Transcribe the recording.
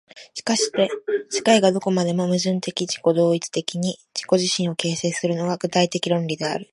しかして世界がどこまでも矛盾的自己同一的に自己自身を形成するのが、具体的論理である。